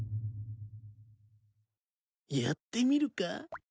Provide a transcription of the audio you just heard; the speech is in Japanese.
やってみるか？